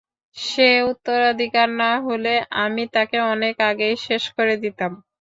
সে উত্তরাধিকার না হলে, আমি তাকে অনেক আগেই শেষ করে দিতাম!